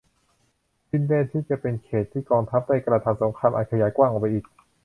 ดินแดนที่จะเป็นเขตต์ที่กองทัพได้กระทำสงครามอาจขยายกว้างออกไปอีก